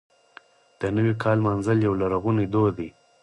د نوي کال لمانځل یو لرغونی دود دی.